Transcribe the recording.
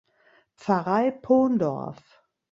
Pfarrei Pondorf.